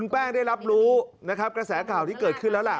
แป้งได้รับรู้นะครับกระแสข่าวที่เกิดขึ้นแล้วล่ะ